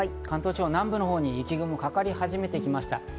関東地方南部のほうに雪雲がかかり始めてきました。